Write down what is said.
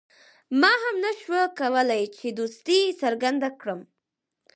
ما هم نه شو کولای چې دوستي څرګنده کړم.